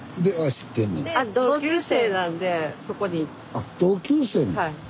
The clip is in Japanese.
あっ同級生？